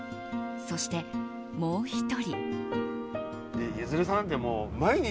そして、もう１人。